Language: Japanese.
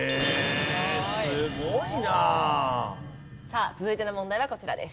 さあ続いての問題はこちらです。